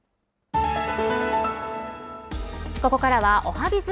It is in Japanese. ここからは、おはＢｉｚ。